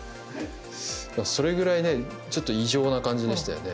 それぐらいちょっと異常な感じでしたよね。